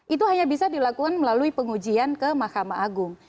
itu hanya bisa dilakukan melalui pengujian ke mahkamah agung